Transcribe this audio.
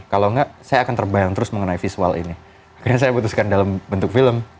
kalau enggak saya akan terbayang terus mengenai visual ini akhirnya saya putuskan dalam bentuk film